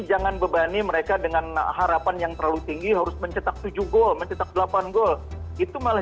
jangan bebani mereka dengan harapan yang terlalu tinggi harus mencetak tujuh gol mencetak delapan gol itu malah